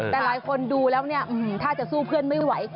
แต่หลายคนดูแล้วเนี่ยถ้าจะสู้เพื่อนไม่ไหว